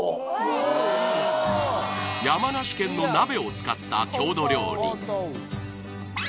山梨県の鍋を使った郷土料理